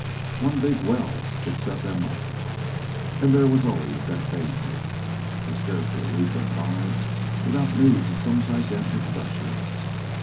One big well would set them up, and there was always that danger, for scarcely a week went by without news of some gigantic gusher.